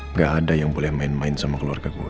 nggak ada yang boleh main main sama keluarga gue